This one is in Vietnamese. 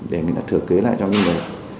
để người ta thừa kế lại cho những người